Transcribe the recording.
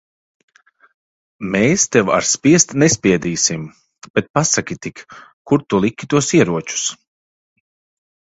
Mēs tev ar spiest nespiedīsim. Bet pasaki tik, kur tu liki tos ieročus?